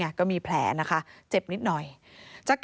แล้วพี่ก็เอาสร้อยมาด้วย